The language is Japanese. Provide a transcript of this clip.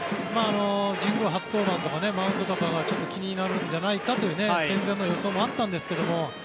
神宮初登板とかマウンドとかが気になるんじゃないかという戦前の予想もあったんですけど